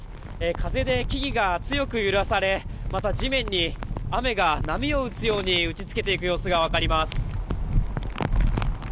風で木々が強く揺らされまた、地面に雨が波を打つように打ち付けている様子が分かります。